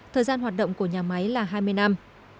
thời gian hoạt động của nhà máy là hai mươi năm